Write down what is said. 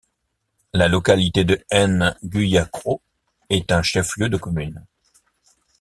La localité de N’Guyakro est un chef-lieu de commune.